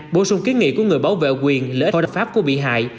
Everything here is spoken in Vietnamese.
bổ sung kiến nghị của người bảo vệ quyền lễ hội đặc pháp của bị hại